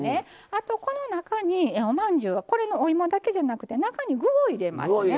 あとこの中におまんじゅうがこれのお芋だけじゃなくて中に具を入れますね。